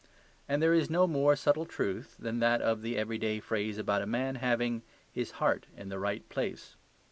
And there is no more subtle truth than that of the everyday phrase about a man having "his heart in the right place."